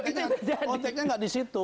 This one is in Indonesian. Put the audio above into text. itu tidak bisa